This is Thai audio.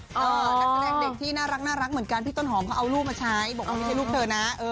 นักแสดงเด็กที่น่ารักเหมือนกันพี่ต้นหอมเขาเอารูปมาใช้บอกว่าไม่ใช่ลูกเธอนะ